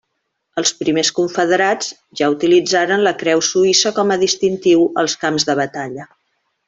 Els primers confederats ja utilitzaren la creu suïssa com a distintiu als camps de batalla.